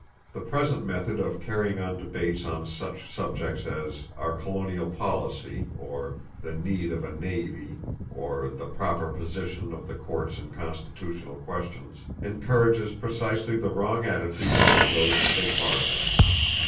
The present method of carrying on debates on such subjects as "Our Colonial Policy," or "The Need of a Navy," or "The Proper Position of the Courts in Constitutional Questions," encourages precisely the wrong attitude among those who take part in them.